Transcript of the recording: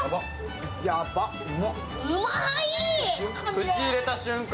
口入れた瞬間